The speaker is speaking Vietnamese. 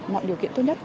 mọi điều kiện tốt nhất